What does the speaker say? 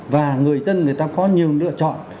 và người dân người ta có nhiều lựa chọn